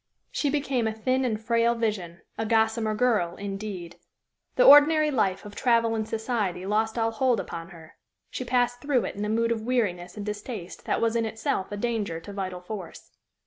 She became a thin and frail vision a "gossamer girl" indeed. The ordinary life of travel and society lost all hold upon her; she passed through it in a mood of weariness and distaste that was in itself a danger to vital force.